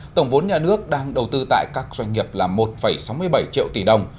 tổng vốn nhà nước đang đầu tư tại các doanh nghiệp là một sáu mươi bảy triệu tỷ đồng